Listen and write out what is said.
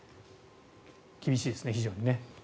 厳しいですね、非常にね。